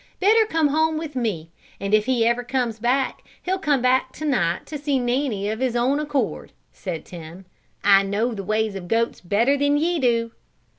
Better come home with me, and if he ever comes back he'll come back to night to see Nanny of his own accord," said Tim. "I know the ways of goats better than ye do."